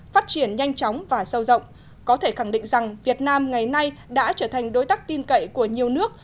phát triển nhanh chóng và sâu rộng có thể khẳng định rằng việt nam ngày nay đã trở thành đối tác tin cậy của nhiều nước